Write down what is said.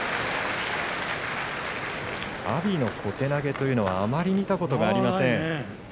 阿炎の小手投げというのはあまり見たことがありません。